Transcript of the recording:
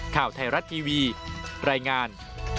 ข่าวไทยรัฐทีวีรายงาน